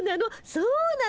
そうなの？